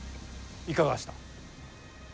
いかがした。